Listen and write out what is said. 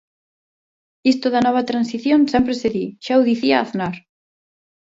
Isto da nova transición sempre se di, xa o dicía Aznar.